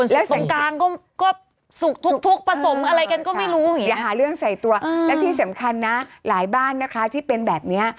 และที่สำคัญนะหลายบ้านนะคะที่เป็นแบบนี้